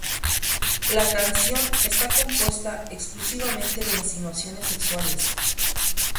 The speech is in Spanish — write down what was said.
La canción está compuesta exclusivamente de insinuaciones sexuales.